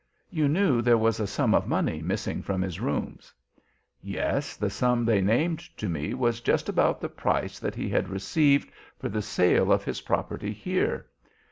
"You knew there was a sum of money missing from his rooms?" "Yes, the sum they named to me was just about the price that he had received for the sale of his property here.